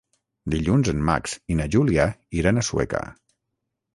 Dilluns en Max i na Júlia iran a Sueca.